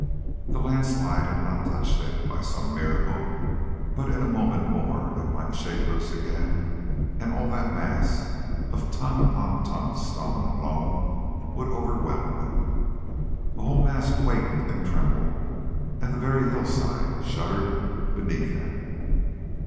The landslide had not touched them, by some miracle, but in a moment more it might shake loose again, and all that mass of ton upon ton of stone and loam would overwhelm them. The whole mass quaked and trembled, and the very hillside shuddered beneath them.